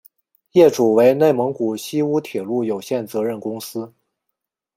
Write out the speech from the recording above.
业主为内蒙古锡乌铁路有限责任公司。